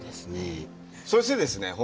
そしてですね